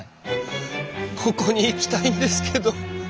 ここに行きたいんですけど。